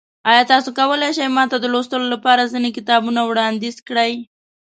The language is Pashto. ایا تاسو کولی شئ ما ته د لوستلو لپاره ځینې کتابونه وړاندیز کړئ؟